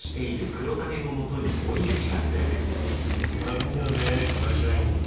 ホント大変だよねぇ会社員って。